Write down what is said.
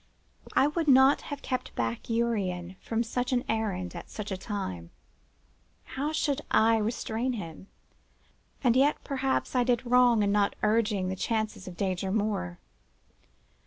I would not have kept back Urian from such on errand at such a time. How should I restrain him? And yet, perhaps, I did wrong in not urging the chances of danger more.